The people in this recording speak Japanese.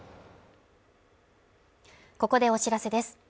ここでお知らせです